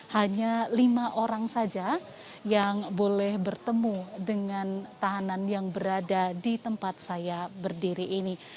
hanya lima orang saja yang boleh bertemu dengan tahanan yang berada di tempat saya berdiri ini